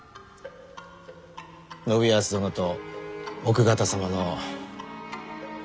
信康殿と奥方様の。